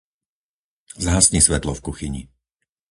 Zhasni svetlo v kuchyni.